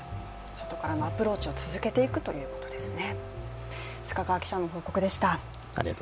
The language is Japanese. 外からのアプローチを続けていくということですね。